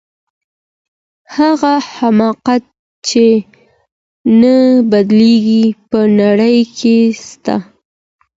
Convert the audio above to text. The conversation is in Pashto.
هغه حماقت چي نه بدلیږي په نړۍ کي سته.